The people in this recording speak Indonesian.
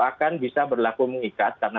akan bisa berlaku mengikat karena